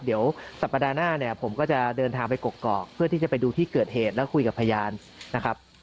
เดี๋ยวสัปดาห์หน้าเนี่ยผมก็จะเดินทางไปกกอกเพื่อที่จะไปดูที่เกิดเหตุแล้วคุยกับพยานนะครับ